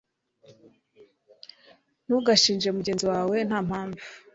ntugashinje mugenzi wawe nta mpamvu